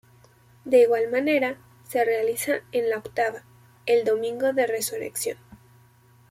De igual manera, se realiza en la Octava, el Domingo de Resurrección.